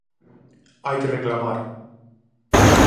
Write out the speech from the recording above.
Hai que reclamar!